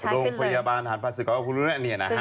โรงพยาบาลธรรมศิกรกษ์คุณแรกเนี่ยนะฮะ